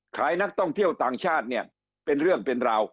นักท่องเที่ยวต่างชาติเนี่ยเป็นเรื่องเป็นราว